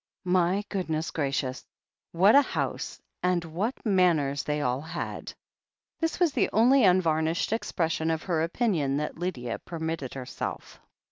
"My goodness gracious ! What a house, and what manners they all had !" This was the only unvarnished expression of her opinion that Lydia permitted herself.